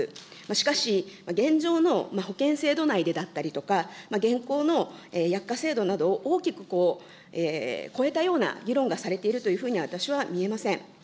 しかし、現状の保険制度内でだったりとか、現行の薬価制度などを大きく超えたような議論がされているというふうには私は見えません。